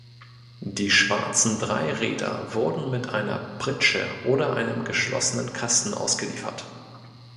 Die schwarzen Dreiräder wurden mit einer Pritsche oder einem geschlossenen Kasten ausgeliefert.